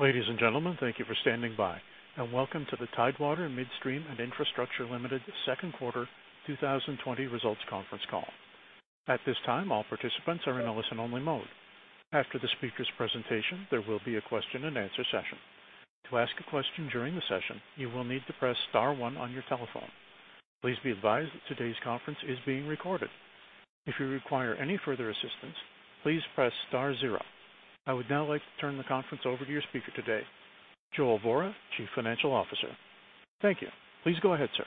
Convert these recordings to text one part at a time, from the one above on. Ladies and gentlemen, thank you for standing by, and welcome to the Tidewater Midstream and Infrastructure Limited second quarter 2020 results conference call. At this time, all participants are in a listen-only mode. After the speaker's presentation, there will be a question and answer session. To ask a question during the session, you will need to press star one on your telephone. Please be advised that today's conference is being recorded. If you require any further assistance, please press star zero. I would now like to turn the conference over to your speaker today, Joel Vorra, Chief Financial Officer. Thank you. Please go ahead, sir.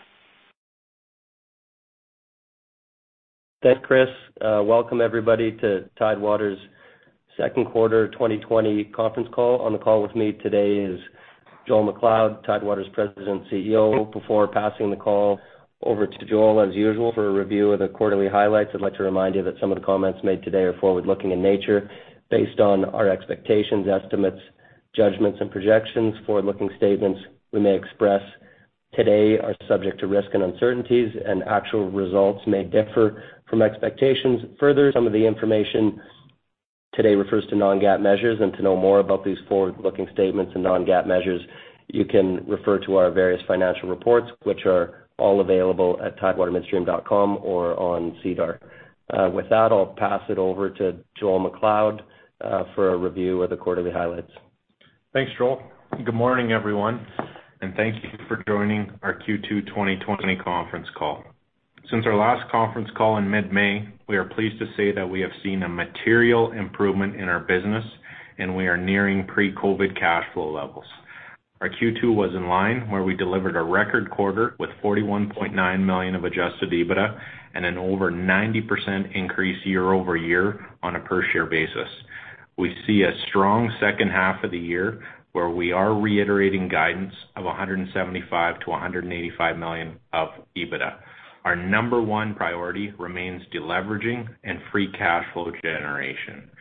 Thanks, Chris. Welcome everybody to Tidewater's second quarter 2020 conference call. On the call with me today is Joel MacLeod, Tidewater's President and CEO. Before passing the call over to Joel, as usual, for a review of the quarterly highlights, I'd like to remind you that some of the comments made today are forward-looking in nature based on our expectations, estimates, judgments, and projections. Forward-looking statements we may express today are subject to risks and uncertainties, and actual results may differ from expectations. Further, some of the information today refers to non-GAAP measures. To know more about these forward-looking statements and non-GAAP measures, you can refer to our various financial reports, which are all available at tidewatermidstream.com or on SEDAR. With that, I'll pass it over to Joel MacLeod for a review of the quarterly highlights. Thanks, Joel. Good morning, everyone, thank you for joining our Q2 2020 conference call. Since our last conference call in mid-May, we are pleased to say that we have seen a material improvement in our business and we are nearing pre-COVID cash flow levels. Our Q2 was in line where we delivered a record quarter with 41.9 million of Adjusted EBITDA and an over 90% increase year-over-year on a per share basis. We see a strong second half of the year where we are reiterating guidance of 175 million-185 million of EBITDA. Our number one priority remains de-leveraging and free cash flow generation,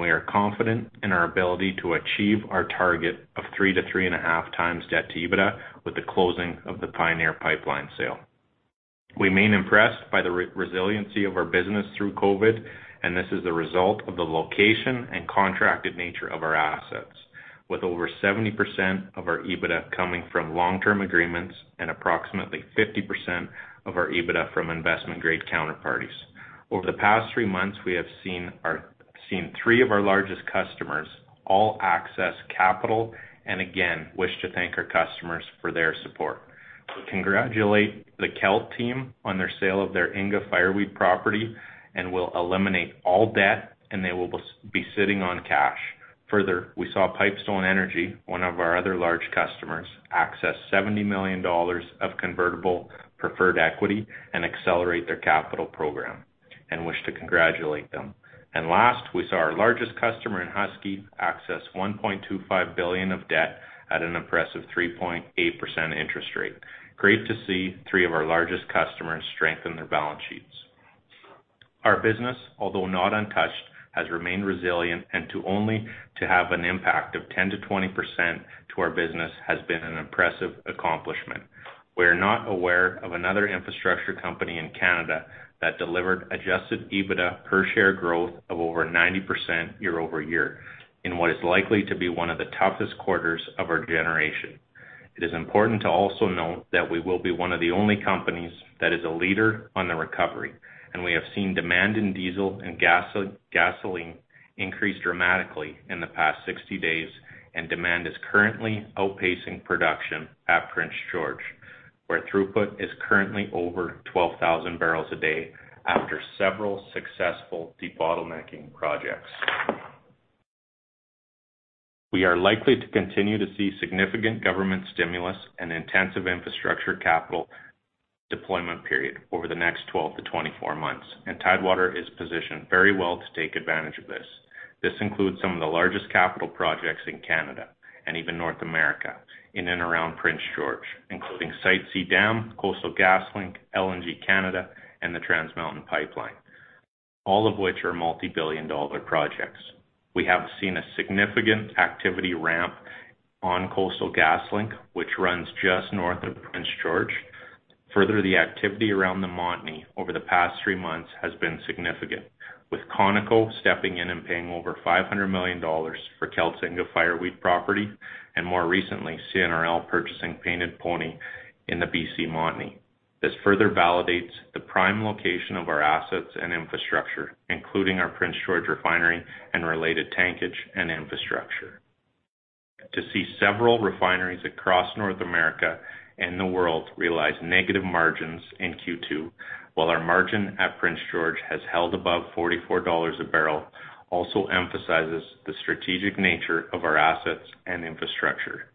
We are confident in our ability to achieve our target of 3 to 3.5 times debt to EBITDA with the closing of the Pioneer Pipeline sale. We remain impressed by the resiliency of our business through COVID, and this is a result of the location and contracted nature of our assets, with over 70% of our EBITDA coming from long-term agreements and approximately 50% of our EBITDA from investment-grade counterparties. Over the past three months, we have seen three of our largest customers all access capital and again, wish to thank our customers for their support. We congratulate the Kelt team on their sale of their Inga Fireweed property and will eliminate all debt and they will be sitting on cash. Further, we saw Pipestone Energy, one of our other large customers, access 70 million dollars of convertible preferred equity and accelerate their capital program, and wish to congratulate them. Last, we saw our largest customer in Husky access 1.25 billion of debt at an impressive 3.8% interest rate. Great to see three of our largest customers strengthen their balance sheets. Our business, although not untouched, has remained resilient and to only have an impact of 10%-20% to our business has been an impressive accomplishment. We are not aware of another infrastructure company in Canada that delivered Adjusted EBITDA per share growth of over 90% year-over-year in what is likely to be one of the toughest quarters of our generation. It is important to also note that we will be one of the only companies that is a leader on the recovery, and we have seen demand in diesel and gasoline increase dramatically in the past 60 days and demand is currently outpacing production at Prince George, where throughput is currently over 12,000 barrels a day after several successful debottlenecking projects. We are likely to continue to see significant government stimulus and intensive infrastructure capital deployment period over the next 12 to 24 months, and Tidewater is positioned very well to take advantage of this. This includes some of the largest capital projects in Canada and even North America in and around Prince George, including Site C Dam, Coastal GasLink, LNG Canada, and the Trans Mountain Pipeline, all of which are multi-billion dollar projects. We have seen a significant activity ramp on Coastal GasLink, which runs just north of Prince George. Further, the activity around the Montney over the past three months has been significant, with Conoco stepping in and paying over 500 million dollars for Kelt's Inga Fireweed property, and more recently, CNRL purchasing Painted Pony in the B.C. Montney. This further validates the prime location of our assets and infrastructure, including our Prince George Refinery and related tankage and infrastructure. To see several refineries across North America and the world realize negative margins in Q2 while our margin at Prince George has held above 44 dollars a barrel also emphasizes the strategic nature of our assets and infrastructure.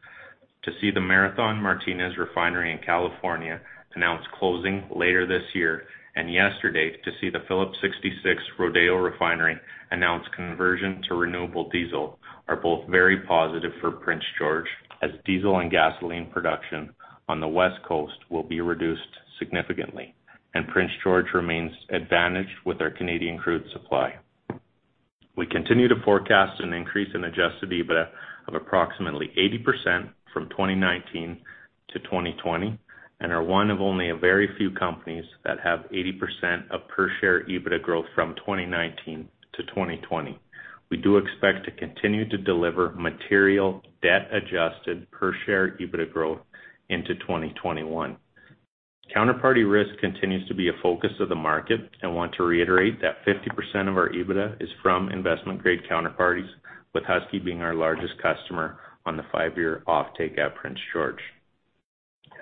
To see the Marathon Martinez Refinery in California announce closing later this year and yesterday to see the Phillips 66 Rodeo Refinery announce conversion to renewable diesel are both very positive for Prince George as diesel and gasoline production on the West Coast will be reduced significantly and Prince George remains advantaged with our Canadian crude supply. We continue to forecast an increase in Adjusted EBITDA of approximately 80% from 2019 to 2020 and are one of only a very few companies that have 80% of per-share EBITDA growth from 2019 to 2020. We do expect to continue to deliver material, debt-adjusted, per-share EBITDA growth into 2021. Counterparty risk continues to be a focus of the market. I want to reiterate that 50% of our EBITDA is from investment-grade counterparties, with Husky being our largest customer on the five-year offtake at Prince George.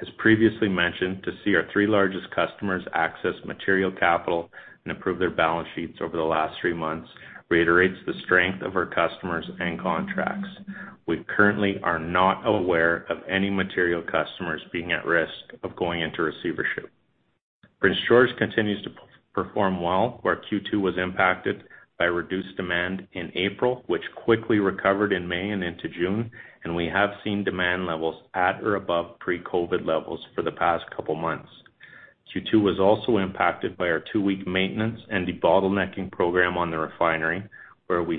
As previously mentioned, to see our three largest customers access material capital and improve their balance sheets over the last three months reiterates the strength of our customers and contracts. We currently are not aware of any material customers being at risk of going into receivership. Prince George continues to perform well, where Q2 was impacted by reduced demand in April, which quickly recovered in May and into June, and we have seen demand levels at or above pre-COVID levels for the past couple of months. Q2 was also impacted by our 2-week maintenance and debottlenecking program on the refinery, where we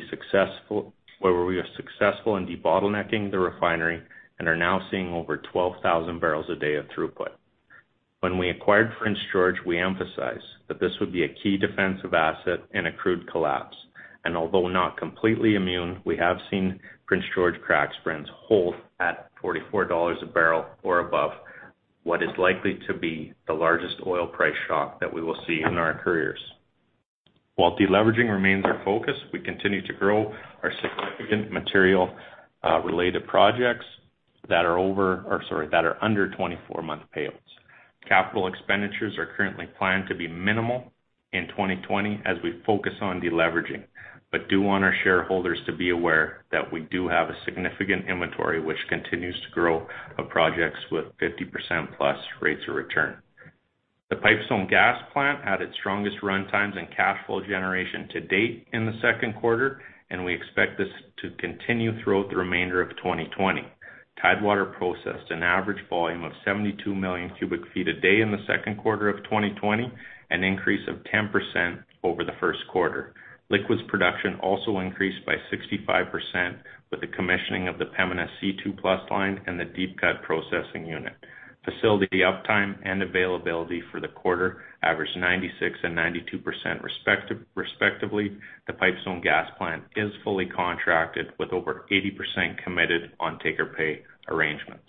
were successful in debottlenecking the refinery and are now seeing over 12,000 barrels a day of throughput. When we acquired Prince George, we emphasized that this would be a key defensive asset in a crude collapse. Although not completely immune, we have seen Prince George crack spreads hold at 44 dollars a barrel or above what is likely to be the largest oil price shock that we will see in our careers. While de-leveraging remains our focus, we continue to grow our significant material-related projects that are under 24-month pay outs. Capital expenditures are currently planned to be minimal in 2020 as we focus on de-leveraging, but do want our shareholders to be aware that we do have a significant inventory, which continues to grow of projects with 50% plus rates of return. The Pipestone Gas Plant had its strongest run times and cash flow generation to date in the second quarter. We expect this to continue throughout the remainder of 2020. Tidewater processed an average volume of 72 million cubic feet a day in the second quarter of 2020, an increase of 10% over the first quarter. Liquids production also increased by 65% with the commissioning of the Pembina C2+ line and the Deep Cut processing unit. Facility uptime and availability for the quarter averaged 96% and 92% respectively. The Pipestone Gas Plant is fully contracted with over 80% committed on take-or-pay arrangements.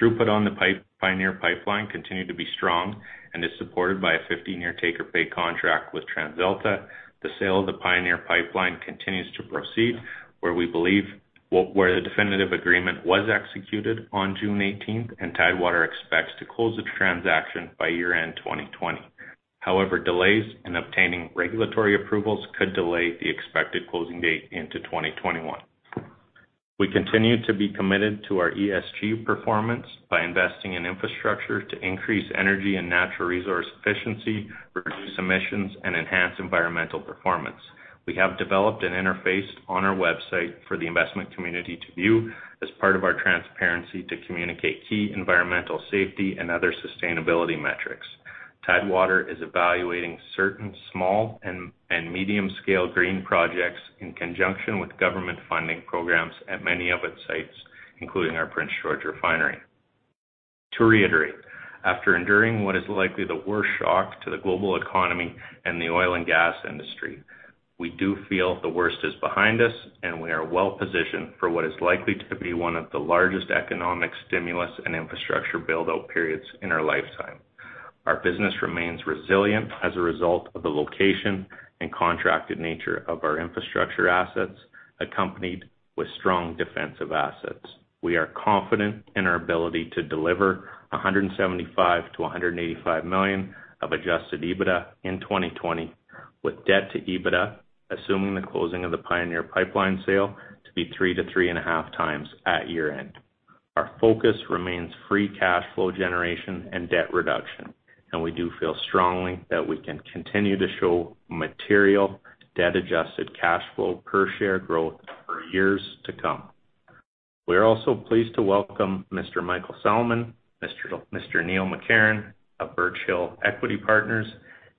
Throughput on the Pioneer Pipeline continued to be strong and is supported by a 15-year take-or-pay contract with TransAlta. The sale of the Pioneer Pipeline continues to proceed, where the definitive agreement was executed on June 18th. Tidewater expects to close the transaction by year-end 2020. However, delays in obtaining regulatory approvals could delay the expected closing date into 2021. We continue to be committed to our ESG performance by investing in infrastructure to increase energy and natural resource efficiency, reduce emissions, and enhance environmental performance. We have developed an interface on our website for the investment community to view as part of our transparency to communicate key environmental, safety, and other sustainability metrics. Tidewater is evaluating certain small and medium-scale green projects in conjunction with government funding programs at many of its sites, including our Prince George Refinery. To reiterate, after enduring what is likely the worst shock to the global economy and the oil and gas industry, we do feel the worst is behind us and we are well-positioned for what is likely to be one of the largest economic stimulus and infrastructure build-out periods in our lifetime. Our business remains resilient as a result of the location and contracted nature of our infrastructure assets, accompanied with strong defensive assets. We are confident in our ability to deliver 175 million-185 million of Adjusted EBITDA in 2020, with debt to EBITDA, assuming the closing of the Pioneer Pipeline sale, to be three to three and a half times at year-end. Our focus remains free cash flow generation and debt reduction, and we do feel strongly that we can continue to show material debt-adjusted cash flow per share growth for years to come. We are also pleased to welcome Mr. Michael Salamon, Mr. Neil McCarron of Birch Hill Equity Partners,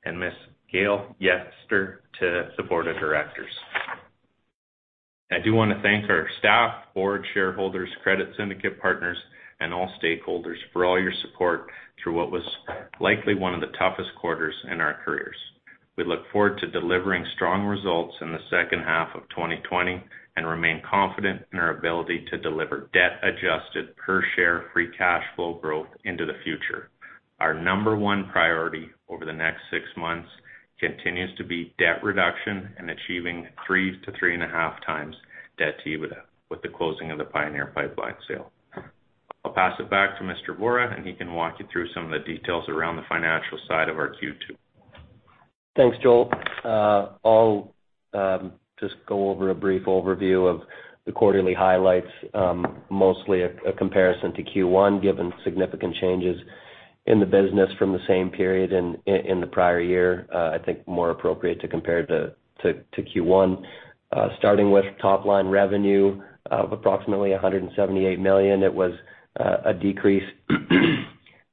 and Ms. Gail Yester to the board of directors. I do want to thank our staff, board, shareholders, credit syndicate partners, and all stakeholders for all your support through what was likely one of the toughest quarters in our careers. We look forward to delivering strong results in the second half of 2020 and remain confident in our ability to deliver debt-adjusted, per-share free cash flow growth into the future. Our number one priority over the next six months continues to be debt reduction and achieving 3 to 3.5 times debt to EBITDA with the closing of the Pioneer Pipeline sale. I'll pass it back to Mr. Vorra, and he can walk you through some of the details around the financial side of our Q2. Thanks, Joel. I'll just go over a brief overview of the quarterly highlights. Mostly a comparison to Q1, given significant changes in the business from the same period in the prior year. I think more appropriate to compare to Q1. Starting with top-line revenue of approximately 178 million, it was a decrease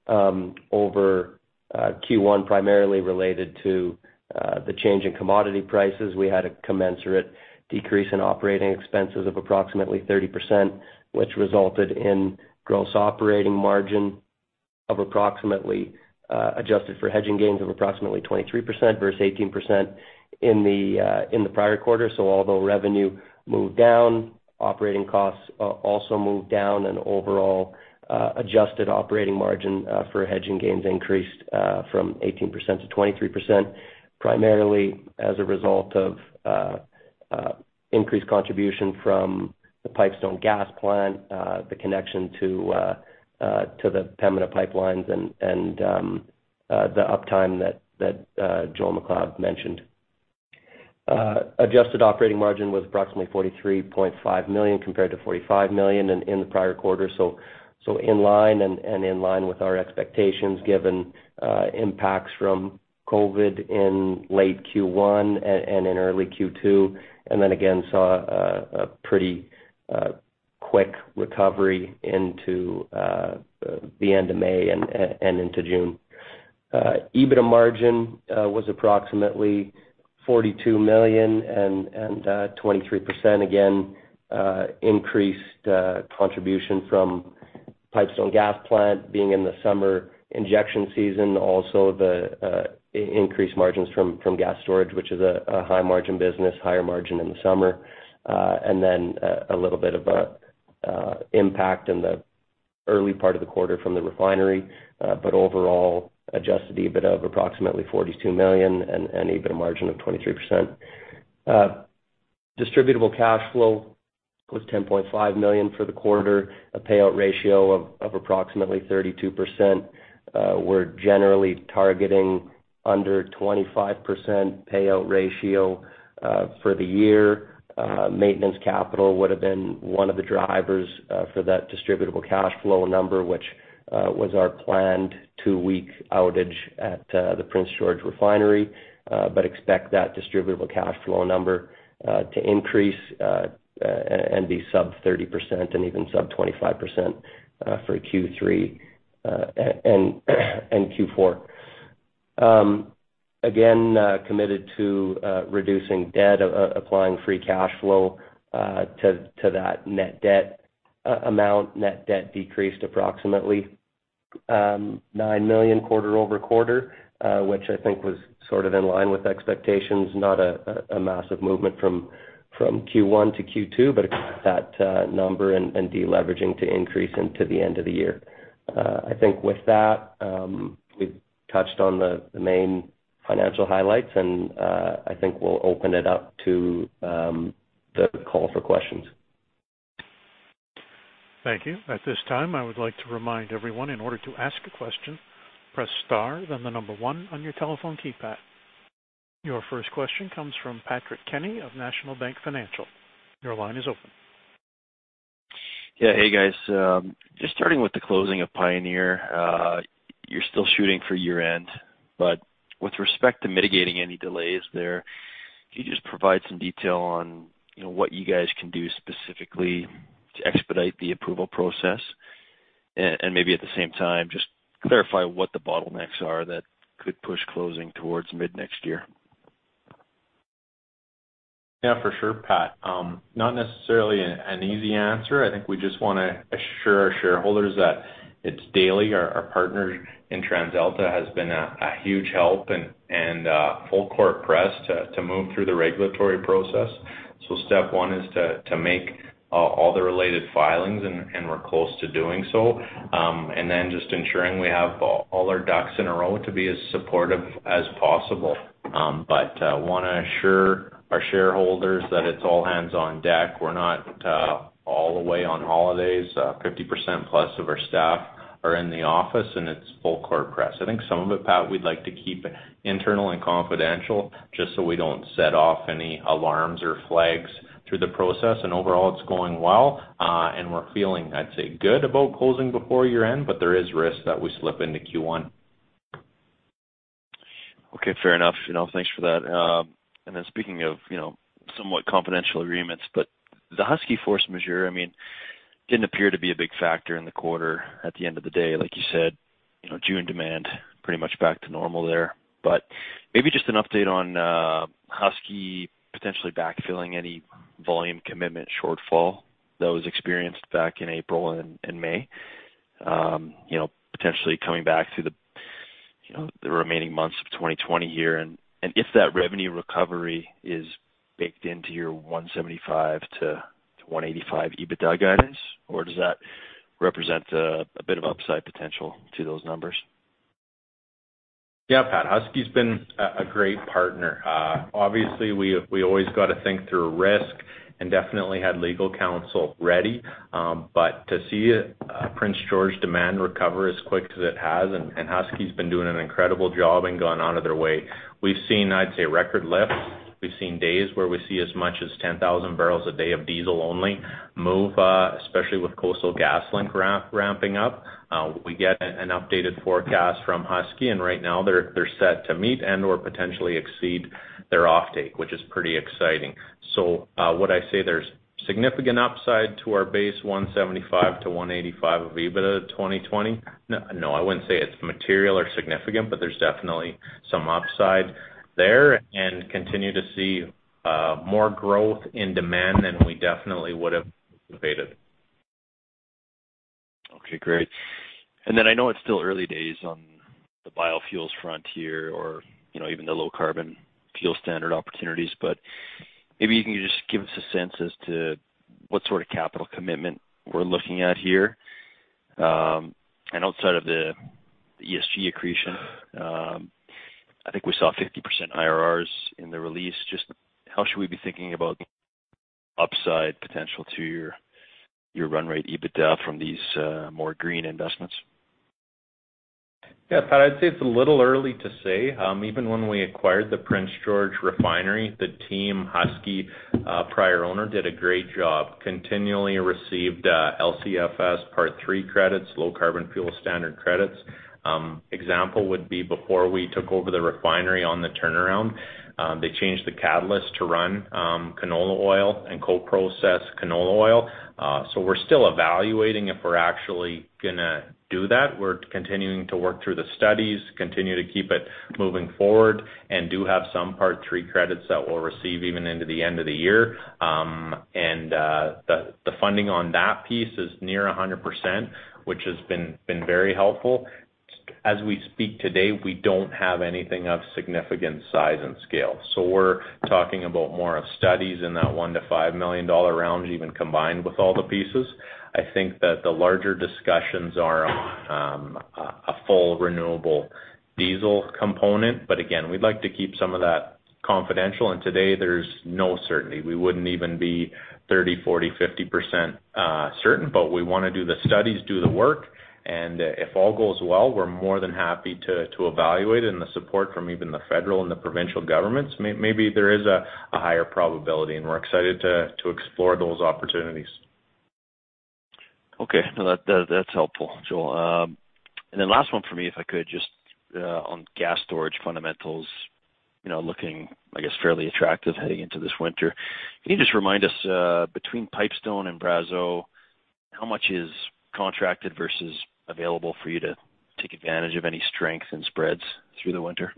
over Q1, primarily related to the change in commodity prices, we had a commensurate decrease in operating expenses of approximately 30%, which resulted in gross operating margin, adjusted for hedging gains, of approximately 23% versus 18% in the prior quarter. Although revenue moved down, operating costs also moved down, and overall adjusted operating margin for hedging gains increased from 18% to 23%, primarily as a result of increased contribution from the Pipestone Gas Plant, the connection to the Pembina Pipeline pipelines, and the uptime that Joel MacLeod mentioned. Adjusted operating margin was approximately 43.5 million compared to 45 million in the prior quarter, so in line and in line with our expectations given impacts from COVID in late Q1 and in early Q2, and then again saw a pretty quick recovery into the end of May and into June. EBITDA margin was approximately 42 million and 23%. Increased contribution from Pipestone gas plant being in the summer injection season. The increased margins from gas storage, which is a high margin business, higher margin in the summer. A little bit of impact in the early part of the quarter from the refinery. Overall, Adjusted EBITDA of approximately 42 million and an EBITDA margin of 23%. Distributable cash flow was 10.5 million for the quarter, a payout ratio of approximately 32%. We're generally targeting under 25% payout ratio for the year. Maintenance capital would've been one of the drivers for that distributable cash flow number, which was our planned two-week outage at the Prince George Refinery. Expect that distributable cash flow number to increase and be sub 30% and even sub 25% for Q3 and Q4. Again, committed to reducing debt, applying free cash flow to that net debt amount. Net debt decreased approximately 9 million quarter-over-quarter, which I think was sort of in line with expectations. Not a massive movement from Q1 to Q2, but expect that number and de-leveraging to increase into the end of the year. I think with that, we've touched on the main financial highlights and I think we'll open it up to the call for questions. Thank you. At this time, I would like to remind everyone, in order to ask a question, press star, then the number one on your telephone keypad. Your first question comes from Patrick Kenny of National Bank Financial. Your line is open. Yeah. Hey, guys. Just starting with the closing of Pioneer. You're still shooting for year-end, but with respect to mitigating any delays there, can you just provide some detail on what you guys can do specifically to expedite the approval process? Maybe at the same time, just clarify what the bottlenecks are that could push closing towards mid next year. Yeah, for sure, Pat. Not necessarily an easy answer. I think we just want to assure our shareholders that it's daily. Our partner in TransAlta has been a huge help and full court press to move through the regulatory process. Step one is to make all the related filings, and we're close to doing so. Then just ensuring we have all our ducks in a row to be as supportive as possible. Want to assure our shareholders that it's all hands on deck. We're not all away on holidays. 50% plus of our staff are in the office, and it's full court press. I think some of it, Pat, we'd like to keep internal and confidential just so we don't set off any alarms or flags through the process. Overall, it's going well. We're feeling, I'd say, good about closing before year-end, but there is risk that we slip into Q1. Okay, fair enough. Thanks for that. Speaking of somewhat confidential agreements, but the Husky force majeure, didn't appear to be a big factor in the quarter at the end of the day. Like you said, June demand pretty much back to normal there. Maybe just an update on Husky potentially backfilling any volume commitment shortfall that was experienced back in April and May, potentially coming back through the remaining months of 2020 here, and if that revenue recovery is baked into your 175 million-185 million EBITDA guidance, or does that represent a bit of upside potential to those numbers? Yeah, Pat. Husky's been a great partner. Obviously, we always got to think through risk and definitely had legal counsel ready. To see Prince George demand recover as quick as it has, and Husky's been doing an incredible job and gone out of their way. We've seen, I'd say, record lifts. We've seen days where we see as much as 10,000 barrels a day of diesel only move, especially with Coastal GasLink ramping up. We get an updated forecast from Husky, and right now they're set to meet and/or potentially exceed their offtake, which is pretty exciting. Would I say there's significant upside to our base 175 million-185 million of EBITDA 2020? No, I wouldn't say it's material or significant, but there's definitely some upside there and continue to see more growth in demand than we definitely would've anticipated. Okay, great. I know it's still early days on the biofuels frontier or even the Low Carbon Fuel Standard opportunities, but maybe you can just give us a sense as to what sort of capital commitment we're looking at here. Outside of the ESG accretion, I think we saw 50% IRRs in the release. Just how should we be thinking about upside potential to your run rate EBITDA from these more green investments? Pat, I'd say it's a little early to say. Even when we acquired the Prince George Refinery, the team, Husky, prior owner, did a great job, continually received LCFS Part 3 credits, Low Carbon Fuel Standard credits. Example would be before we took over the refinery on the turnaround, they changed the catalyst to run canola oil and co-process canola oil. We're still evaluating if we're actually going to do that. We're continuing to work through the studies, continue to keep it moving forward and do have some Part 3 credits that we'll receive even into the end of the year. The funding on that piece is near 100%, which has been very helpful. As we speak today, we don't have anything of significant size and scale. We're talking about more of studies in that 1 million-5 million dollar range, even combined with all the pieces. I think that the larger discussions are on a full renewable diesel component. Again, we'd like to keep some of that confidential, and today there's no certainty. We wouldn't even be 30%, 40%, 50% certain, but we want to do the studies, do the work, and if all goes well, we're more than happy to evaluate and the support from even the federal and the provincial governments, maybe there is a higher probability, and we're excited to explore those opportunities. Okay. No, that's helpful, Joel. Last one for me, if I could, just on gas storage fundamentals, looking, I guess, fairly attractive heading into this winter. Can you just remind us, between Pipestone and Brazeau, how much is contracted versus available for you to take advantage of any strength in spreads through the winter?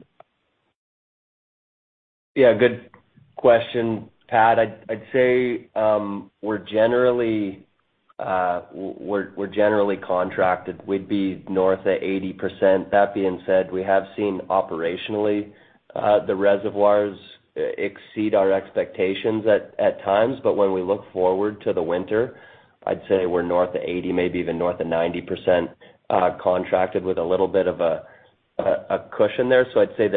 Good question, Pat. I'd say we're generally contracted. We'd be north of 80%. That being said, we have seen operationally, the reservoirs exceed our expectations at times. When we look forward to the winter, I'd say we're north of 80%, maybe even north of 90% contracted with a little bit of a cushion there. I'd say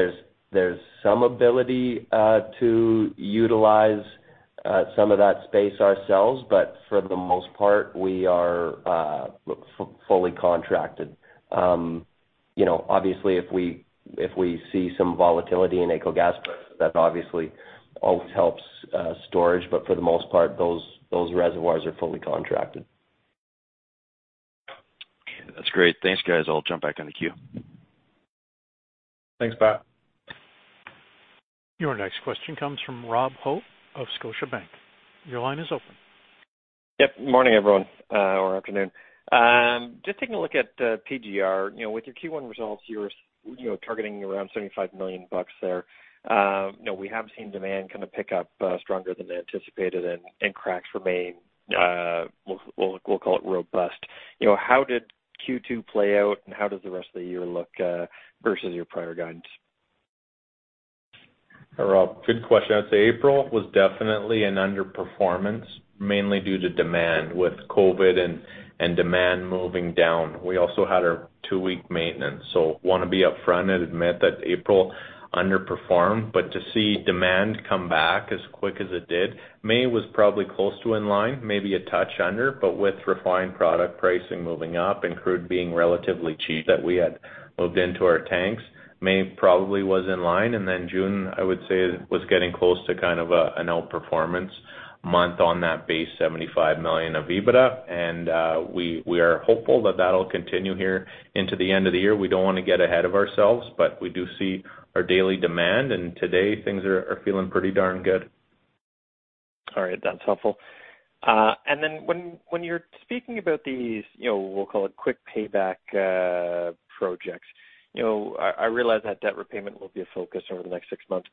there's some ability to utilize some of that space ourselves. For the most part, we are fully contracted. Obviously, if we see some volatility in AECO gas prices, that obviously always helps storage. For the most part, those reservoirs are fully contracted. Okay. That's great. Thanks, guys. I'll jump back on the queue. Thanks, Pat. Your next question comes from Robert Hope of Scotiabank. Your line is open. Yep. Morning, everyone, or afternoon. Just taking a look at PGR. With your Q1 results, you were targeting around 75 million bucks there. We have seen demand kind of pick up stronger than anticipated and cracks remain, we'll call it robust. How did Q2 play out, and how does the rest of the year look versus your prior guidance? Hi, Rob. Good question. I'd say April was definitely an underperformance, mainly due to demand with COVID and demand moving down. We also had our two-week maintenance. Want to be upfront and admit that April underperformed. To see demand come back as quick as it did, May was probably close to in line, maybe a touch under. With refined product pricing moving up and crude being relatively cheap that we had moved into our tanks, May probably was in line. June, I would say, was getting close to kind of an outperformance month on that base 75 million of EBITDA. We are hopeful that that'll continue here into the end of the year. We don't want to get ahead of ourselves, but we do see our daily demand, and today things are feeling pretty darn good. All right. That's helpful. When you're speaking about these, we'll call it quick payback projects, I realize that debt repayment will be a focus over the next six months,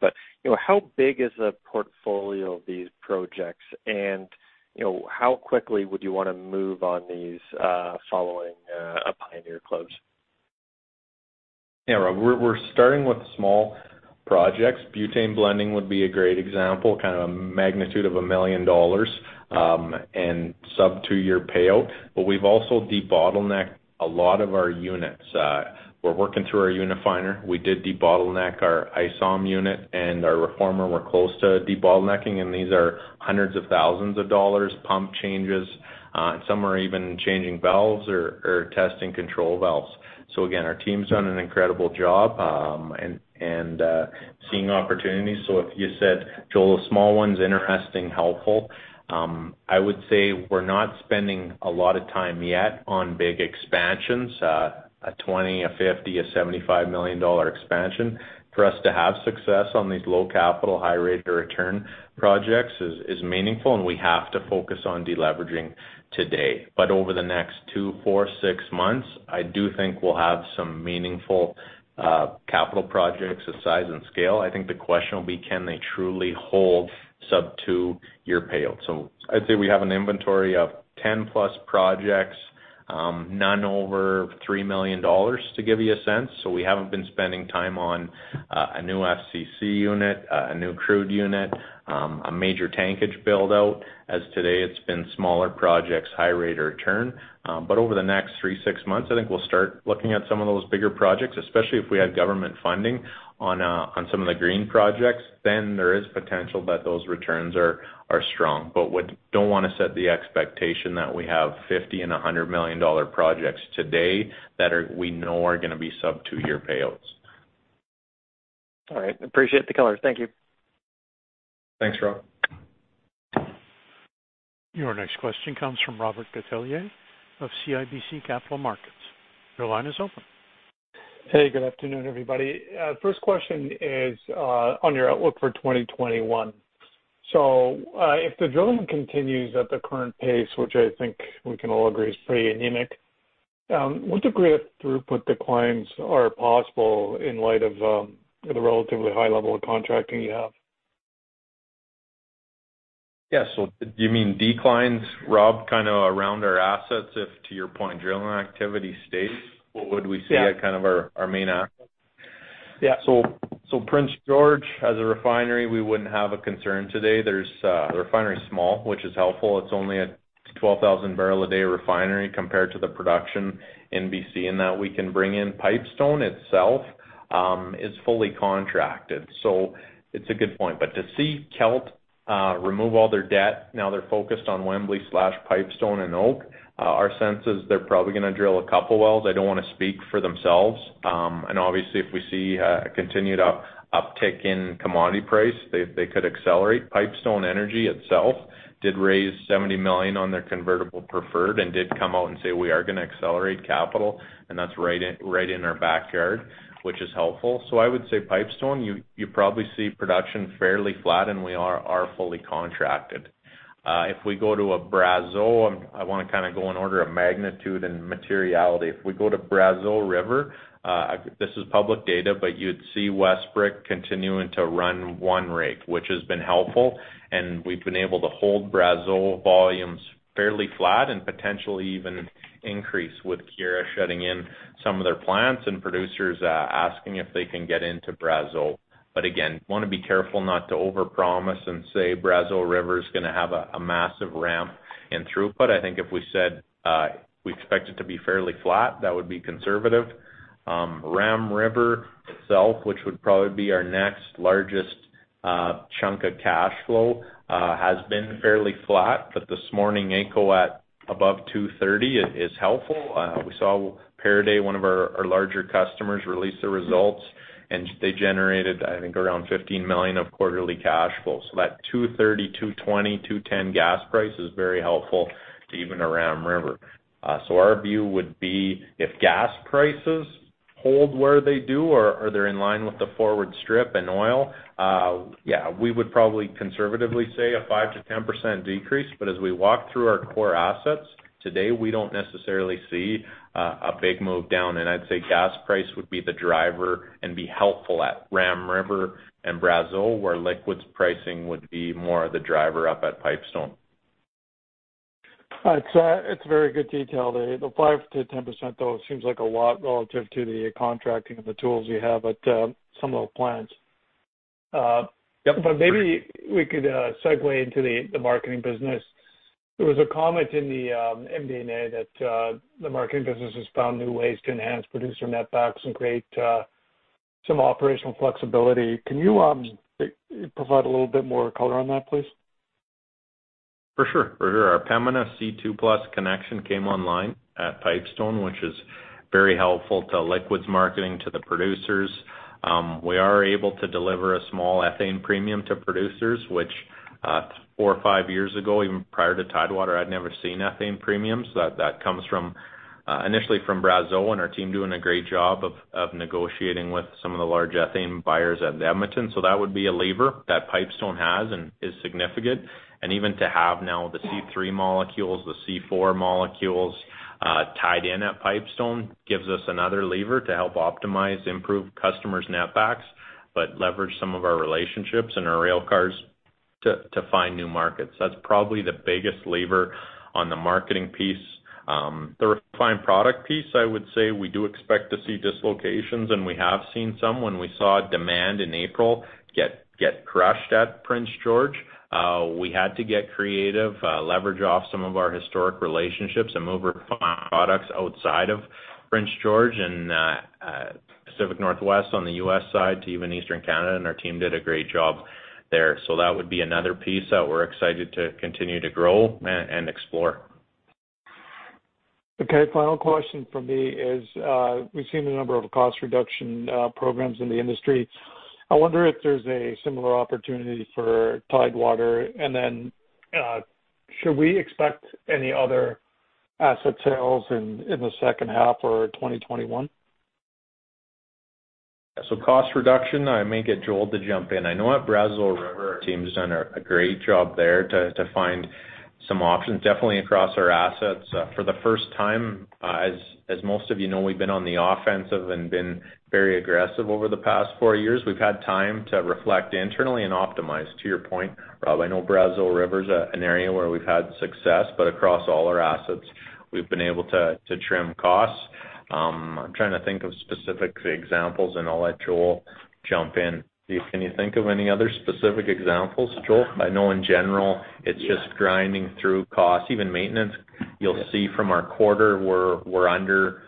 how big is the portfolio of these projects, and how quickly would you want to move on these following a Pioneer close? Rob. We're starting with small projects. Butane blending would be a great example, a magnitude of 1 million dollars, and sub-2-year payout. We've also debottlenecked a lot of our units. We're working through our Unifiner. We did debottleneck our isom unit, and our reformer we're close to debottlenecking, and these are hundreds of thousands of CAD, pump changes. Some are even changing valves or testing control valves. Again, our team's done an incredible job, and seeing opportunities. If you said, "Joel, are small ones interesting, helpful?" I would say we're not spending a lot of time yet on big expansions, a 20, a 50, a 75 million dollar expansion. For us to have success on these low-capital, high rate of return projects is meaningful, and we have to focus on de-leveraging today. Over the next two, four, six months, I do think we'll have some meaningful capital projects of size and scale. I think the question will be, can they truly hold sub-two-year payout? I'd say we have an inventory of 10 plus projects, none over 3 million dollars, to give you a sense. We haven't been spending time on a new FCC unit, a new crude unit, a major tankage build-out. As today it's been smaller projects, high rate of return. Over the next three, six months, I think we'll start looking at some of those bigger projects, especially if we have government funding on some of the green projects, then there is potential that those returns are strong. Don't want to set the expectation that we have 50 million and 100 million dollar projects today that we know are going to be sub-two-year payouts. All right. Appreciate the color. Thank you. Thanks, Rob. Your next question comes from Robert Catellier of CIBC Capital Markets. Your line is open. Hey, good afternoon, everybody. First question is on your outlook for 2021. If the drilling continues at the current pace, which I think we can all agree is pretty anemic, what degree of throughput declines are possible in light of the relatively high level of contracting you have? Yeah. Do you mean declines, Rob, around our assets if, to your point, drilling activity stays? What would we see- Yeah at our main assets? Yeah. Prince George, as a refinery, we wouldn't have a concern today. The refinery's small, which is helpful. It's only a 12,000 barrel a day refinery compared to the production in B.C., and that we can bring in Pipestone itself, is fully contracted. It's a good point. To see Kelt remove all their debt, now they're focused on Wembley/Pipestone and Oak. Our sense is they're probably going to drill a couple wells. I don't want to speak for themselves. Obviously if we see a continued uptick in commodity price, they could accelerate. Pipestone Energy Corp. itself did raise 70 million on their convertible preferred and did come out and say, "We are going to accelerate capital." That's right in our backyard, which is helpful. I would say Pipestone, you probably see production fairly flat, and we are fully contracted. If we go to Brazeau, I want to go in order of magnitude and materiality. If we go to Brazeau River, this is public data, but you'd see Westbrick continuing to run one rig, which has been helpful, and we've been able to hold Brazeau volumes fairly flat and potentially even increase with Keyera shutting in some of their plants and producers asking if they can get into Brazeau. Again, want to be careful not to overpromise and say Brazeau River is going to have a massive ramp in throughput. I think if we said, we expect it to be fairly flat, that would be conservative. Ram River itself, which would probably be our next largest chunk of cash flow, has been fairly flat. This morning AECO at above 230 is helpful. We saw Paramount, one of our larger customers, release their results, and they generated, I think, around 15 million of quarterly cash flow. That 230, 220, 210 gas price is very helpful to even a Ram River. Our view would be if gas prices hold where they do or they're in line with the forward strip and oil, we would probably conservatively say a 5%-10% decrease. As we walk through our core assets, today we don't necessarily see a big move down. I'd say gas price would be the driver and be helpful at Ram River and Brazeau, where liquids pricing would be more the driver up at Pipestone. All right. It's very good detail there. The 5%-10%, though, seems like a lot relative to the contracting of the tools you have at some of the plants. Yep. Maybe we could segue into the marketing business. There was a comment in the MD&A that the marketing business has found new ways to enhance producer netbacks and create some operational flexibility. Can you provide a little bit more color on that, please? For sure. Our Pembina C2+ connection came online at Pipestone, which is very helpful to liquids marketing to the producers. We are able to deliver a small ethane premium to producers, which, four or five years ago, even prior to Tidewater, I'd never seen ethane premiums. That comes initially from Brazeau and our team doing a great job of negotiating with some of the large ethane buyers at Edmonton. That would be a lever that Pipestone has and is significant. Even to have now the C3 molecules, the C4 molecules, tied in at Pipestone gives us another lever to help optimize, improve customers' netbacks, but leverage some of our relationships and our rail cars to find new markets. That's probably the biggest lever on the marketing piece. The refined product piece, I would say we do expect to see dislocations, and we have seen some. When we saw demand in April get crushed at Prince George, we had to get creative, leverage off some of our historic relationships and move refined products outside of Prince George and Pacific Northwest on the U.S. side to even Eastern Canada, and our team did a great job there. That would be another piece that we're excited to continue to grow and explore. Okay. Final question from me is, we've seen a number of cost reduction programs in the industry. I wonder if there's a similar opportunity for Tidewater, and then should we expect any other asset sales in the second half or 2021? Cost reduction, I may get Joel to jump in. I know at Brazeau River, our team's done a great job there to find some options, definitely across our assets. For the first time, as most of you know, we've been on the offensive and been very aggressive over the past four years. We've had time to reflect internally and optimize. To your point, Rob, I know Brazeau River is an area where we've had success, but across all our assets, we've been able to trim costs. I'm trying to think of specific examples, and I'll let Joel jump in. Can you think of any other specific examples, Joel? I know in general it's just grinding through costs, even maintenance. You'll see from our quarter we're under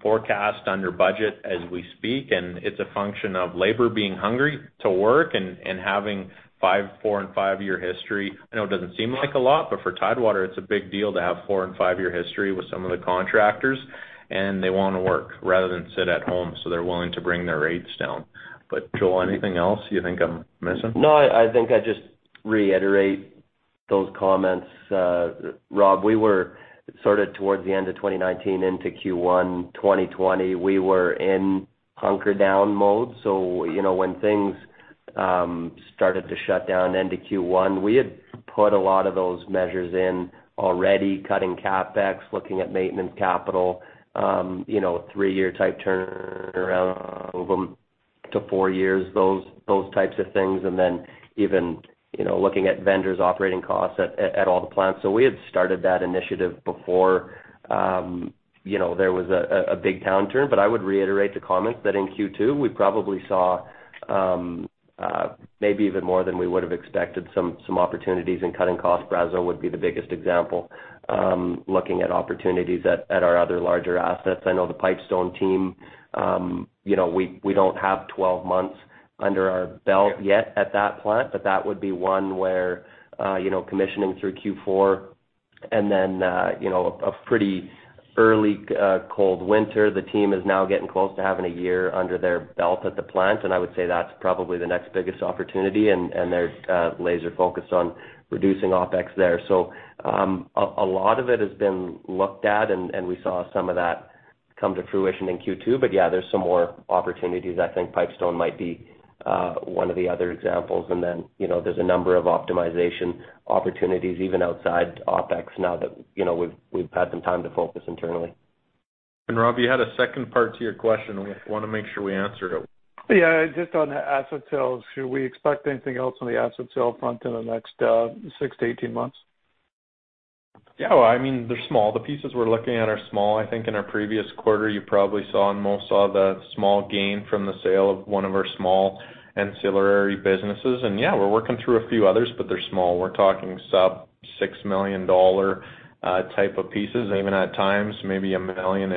forecast, under budget as we speak, and it's a function of labor being hungry to work and having four and five-year history. I know it doesn't seem like a lot, but for Tidewater, it's a big deal to have four and five-year history with some of the contractors, and they want to work rather than sit at home, so they're willing to bring their rates down. Joel, anything else you think I'm missing? No, I think I just reiterate those comments. Rob, towards the end of 2019 into Q1 2020, we were in hunker-down mode. When things started to shut down into Q1, we had put a lot of those measures in already, cutting CapEx, looking at maintenance capital, 3-year type turnaround, move them to 4 years, those types of things. Even looking at vendors' operating costs at all the plants. We had started that initiative before there was a big downturn. I would reiterate the comments that in Q2 we probably saw maybe even more than we would have expected some opportunities in cutting costs. Brazeau would be the biggest example. Looking at opportunities at our other larger assets. I know the Pipestone team, we don't have 12 months under our belt yet at that plant, but that would be one where commissioning through Q4 and then a pretty early cold winter. The team is now getting close to having a year under their belt at the plant, and I would say that's probably the next biggest opportunity and they're laser-focused on reducing OpEx there. A lot of it has been looked at and we saw some of that come to fruition in Q2. Yeah, there's some more opportunities. I think Pipestone might be one of the other examples. There's a number of optimization opportunities even outside OpEx now that we've had some time to focus internally. Rob, you had a second part to your question. I want to make sure we answered it. Yeah. Just on asset sales, should we expect anything else on the asset sale front in the next 6-18 months? The pieces we're looking at are small. I think in our previous quarter you probably saw, and most saw the small gain from the sale of one of our small ancillary businesses. We're working through a few others, but they're small. We're talking sub 6 million dollar type of pieces, even at times maybe 1 million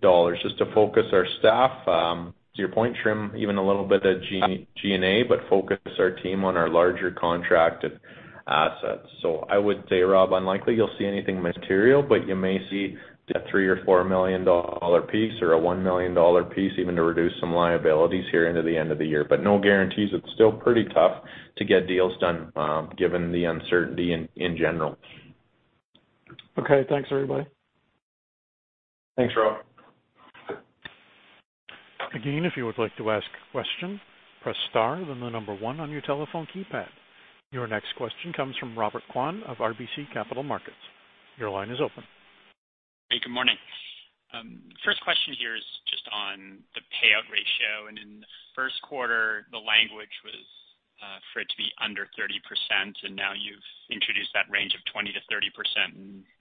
dollars-ish, just to focus our staff. To your point, trim even a little bit of G&A, but focus our team on our larger contracted assets. I would say, Rob, unlikely you'll see anything material, but you may see a 3 million or 4 million dollar piece or a 1 million dollar piece even to reduce some liabilities here into the end of the year. No guarantees. It's still pretty tough to get deals done given the uncertainty in general. Okay, thanks everybody. Thanks, Rob. Again, if you would like to ask a question, press star then the number one on your telephone keypad. Your next question comes from Robert Kwan of RBC Capital Markets. Your line is open. Hey, good morning. First question here is just on the payout ratio. In the first quarter, the language was for it to be under 30%, and now you've introduced that range of 20%-30%.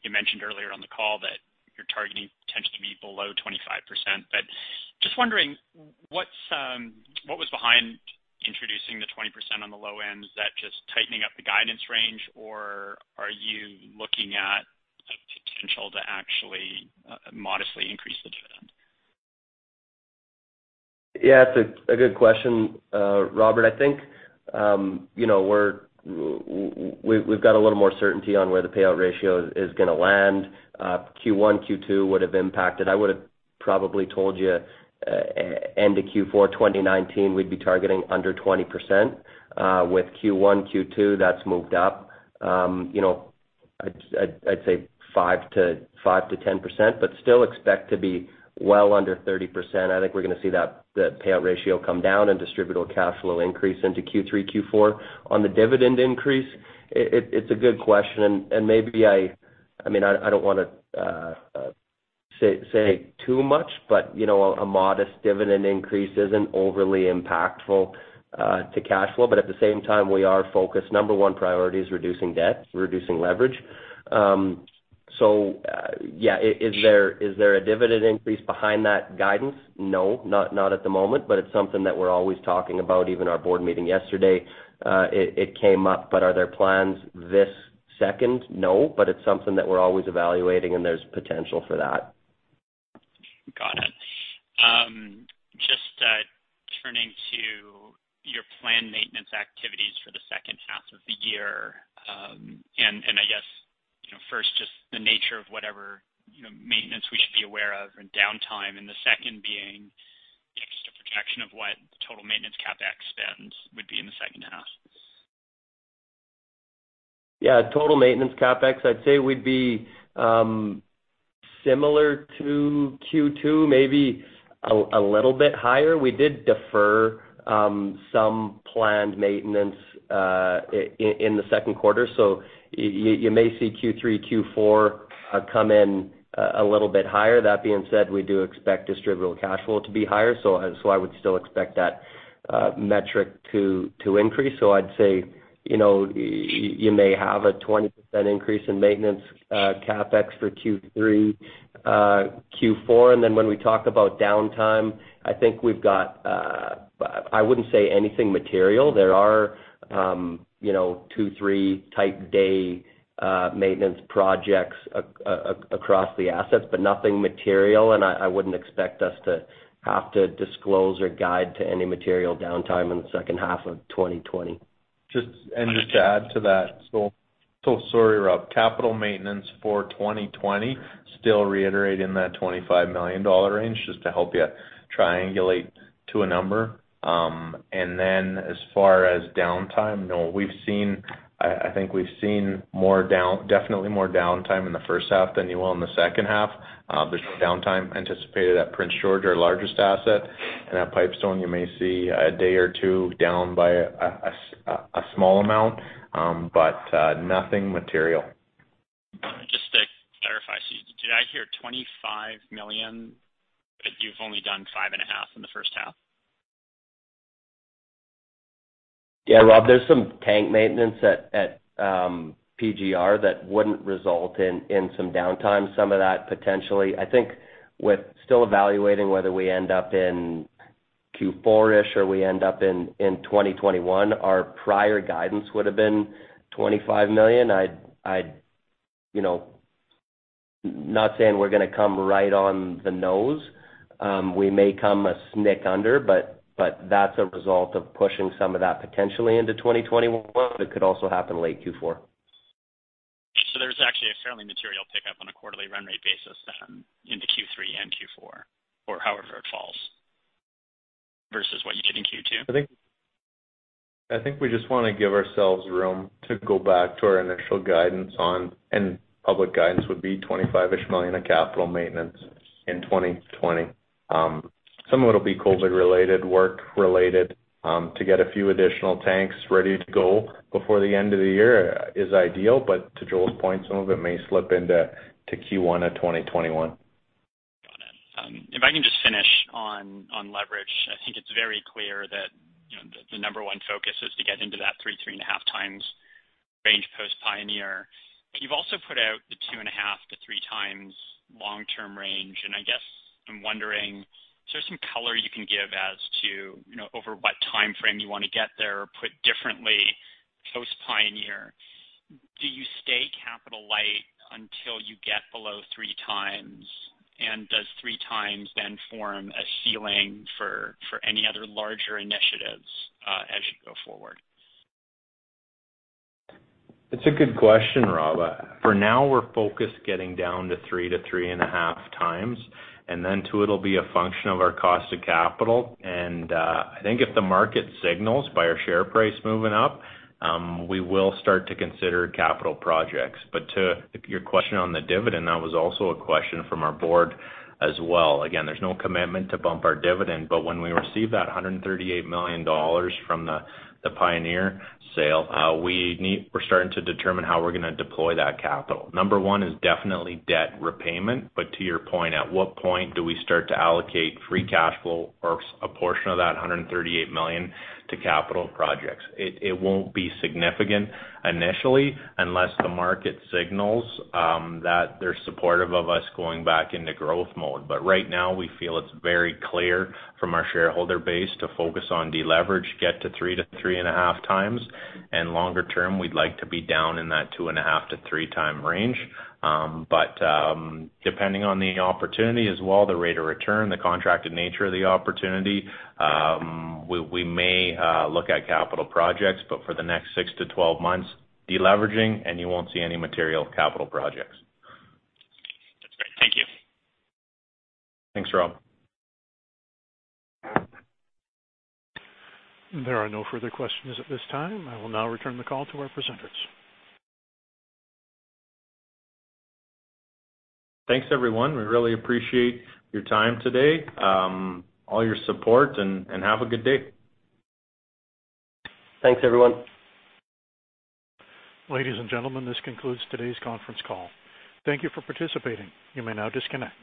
You mentioned earlier on the call that you're targeting potentially to be below 25%, but just wondering what was behind introducing the 20% on the low end? Is that just tightening up the guidance range, or are you looking at potential to actually modestly increase the dividend? It's a good question, Robert. I think we've got a little more certainty on where the payout ratio is going to land. Q1, Q2 would have impacted. I would have probably told you end of Q4 2019 we'd be targeting under 20%. With Q1, Q2, that's moved up. I'd say 5%-10%, but still expect to be well under 30%. I think we're going to see that payout ratio come down and distributable cash flow increase into Q3, Q4. On the dividend increase, it's a good question and maybe I don't want to say too much, but a modest dividend increase isn't overly impactful to cash flow. At the same time, we are focused. Number one priority is reducing debt, reducing leverage. Is there a dividend increase behind that guidance? No, not at the moment, it's something that we're always talking about. Even our board meeting yesterday, it came up. Are there plans this second? No, it's something that we're always evaluating, and there's potential for that. Got it. Just turning to your planned maintenance activities for the second half of the year. I guess, first, just the nature of whatever maintenance we should be aware of and downtime, and the second being just a projection of what total maintenance CapEx spends would be in the second half. Total maintenance CapEx, I'd say we'd be similar to Q2, maybe a little bit higher. We did defer some planned maintenance in the second quarter. You may see Q3, Q4 come in a little bit higher. That being said, we do expect distributable cash flow to be higher. I would still expect that metric to increase. I'd say, you may have a 20% increase in maintenance CapEx for Q3, Q4. When we talk about downtime, I wouldn't say anything material. There are two, three type Day maintenance projects across the assets, but nothing material. I wouldn't expect us to have to disclose or guide to any material downtime in the second half of 2020. Just to add to that, sorry, Rob. Capital maintenance for 2020, still reiterating that 25 million dollar range, just to help you triangulate to a number. As far as downtime, no. I think we've seen definitely more downtime in the first half than you will in the second half. There's no downtime anticipated at Prince George, our largest asset. At Pipestone, you may see a day or two down by a small amount, but nothing material. Just to clarify, did I hear 25 million? You've only done five and a half in the first half. Yeah, Rob, there's some tank maintenance at PGR that wouldn't result in some downtime. Some of that, potentially. I think, we're still evaluating whether we end up in Q4-ish or we end up in 2021. Our prior guidance would've been CAD 25 million. Not saying we're going to come right on the nose. We may come a snick under, but that's a result of pushing some of that potentially into 2021, but it could also happen late Q4. There's actually a fairly material pickup on a quarterly run rate basis, then, into Q3 and Q4, or however it falls, versus what you did in Q2. I think we just want to give ourselves room to go back to our initial guidance on. Public guidance would be 25-ish million of capital maintenance in 2020. Some of it will be COVID-related work related to get a few additional tanks ready to go before the end of the year is ideal, but to Joel's point, some of it may slip into Q1 of 2021. Got it. If I can just finish on leverage, I think it's very clear that the number one focus is to get into that 3.5 times range post Pioneer. You've also put out the 2.5 to three times long-term range, I guess, I'm wondering, is there some color you can give as to over what timeframe you want to get there? Or put differently, post Pioneer, do you stay capital light until you get below three times? Does three times then form a ceiling for any other larger initiatives as you go forward? It's a good question, Rob. For now, we're focused getting down to 3-3.5 times. Then, too, it'll be a function of our cost of capital. I think if the market signals by our share price moving up, we will start to consider capital projects. To your question on the dividend, that was also a question from our board as well. Again, there's no commitment to bump our dividend, but when we receive that 138 million dollars from the Pioneer sale, we're starting to determine how we're going to deploy that capital. Number 1 is definitely debt repayment. To your point, at what point do we start to allocate free cash flow or a portion of that 138 million to capital projects? It won't be significant initially, unless the market signals that they're supportive of us going back into growth mode. Right now, we feel it's very clear from our shareholder base to focus on deleverage, get to 3-3.5 times, and longer term, we'd like to be down in that 2.5-3 time range. Depending on the opportunity as well, the rate of return, the contracted nature of the opportunity, we may look at capital projects, but for the next six-12 months, deleveraging, and you won't see any material capital projects. That's great. Thank you. Thanks, Rob. There are no further questions at this time. I will now return the call to our presenters. Thanks, everyone. We really appreciate your time today, all your support, and have a good day. Thanks, everyone. Ladies and gentlemen, this concludes today's conference call. Thank you for participating. You may now disconnect.